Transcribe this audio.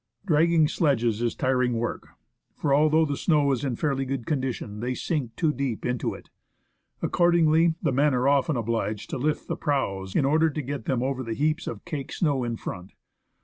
Dragging sledges is tiring work; for although the snow is in fairly good condition, they sink too deep into it. Accordingly, the men are often obliged to lift the prows in order to get them over the heaps of caked snow in front.